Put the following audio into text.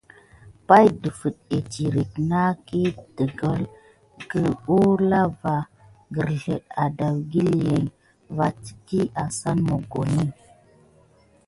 Pay ɗəfiŋ agəte titiré naku negəlke ikil kulan va kirzel adawuteki va tisic asane mokoni.